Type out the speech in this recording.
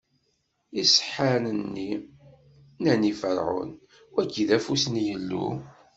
Iseḥḥaren-nni? Nnan i Ferɛun: Wagi, d afus n Yillu!